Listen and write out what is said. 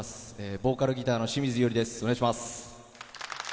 ボーカル＆ギターの清水依与吏です。